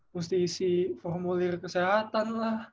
mesti isi formulir kesehatan lah